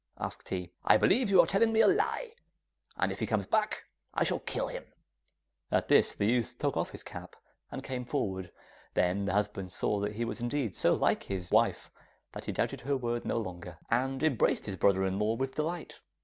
asked he. 'I believe you are telling me a lie, and if he comes back I shall kill him!' At this the youth took off his cap, and came forward. Then the husband saw that he was indeed so like his wife that he doubted her word no longer, and embraced his brother in law with delight.